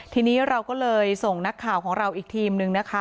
ทีนี้เราก็เลยส่งนักข่าวของเราอีกทีมนึงนะคะ